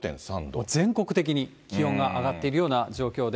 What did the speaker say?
もう全国的に気温が上がっているような状況です。